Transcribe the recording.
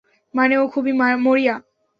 মানে, ও খুবই মরিয়া।